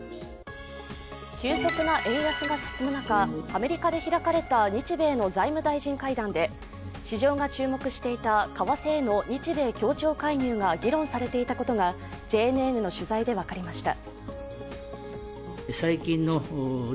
急速な円安が進む中、アメリカで開かれた日米の財務大臣会談で市場が注目していた為替への日米協調介入が議論されていたことがＪＮＮの取材で分かりました。